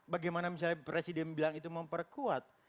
bagaimana misalnya presiden bilang itu memperkuat